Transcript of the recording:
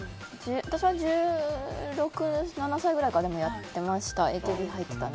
私は１６歳か１７歳ぐらいからやってました。